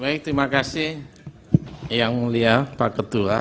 baik terima kasih yang mulia pak ketua